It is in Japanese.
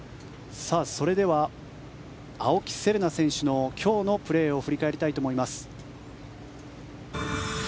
それでは青木瀬令奈選手の今日のプレーを振り返りたいと思います。